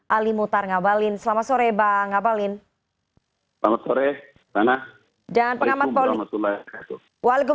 ali mutar ngabalin selamat sore bang abalin